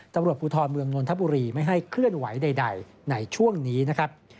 ตำรวจภูทรเมืองนนทบุรีไม่ให้เคลื่อนไหวใดในช่วงนี้นะครับ